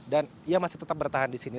dan ia masih tetap bertahan di sini